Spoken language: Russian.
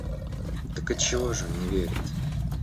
Так отчего ж он не верит?